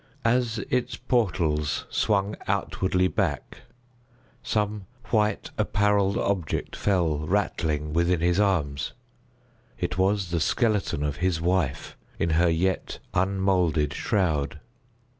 As its portals swung outwardly back, some white apparelled object fell rattling within his arms. It was the skeleton of his wife in her yet unmoulded shroud.